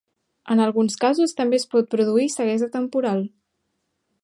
En alguns casos també es pot produir ceguesa temporal.